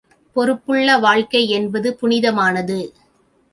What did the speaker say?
பொறுப்புள்ள வாழ்க்கை என்பது புனித மானது.